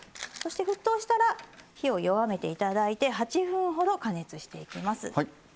そして、沸騰したら火を弱めていただいて８分ほど加熱していきます。